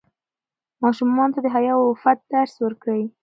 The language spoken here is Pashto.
ماشومانو ته د حیا او عفت درس ورکړئ.